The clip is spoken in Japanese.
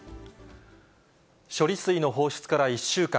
処理水の放出から１週間。